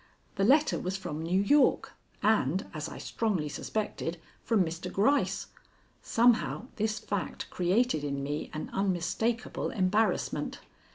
The letter was from New York, and, as I strongly suspected, from Mr. Gryce. Somehow this fact created in me an unmistakable embarrassment.